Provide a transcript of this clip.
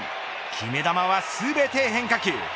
決め球は全て変化球。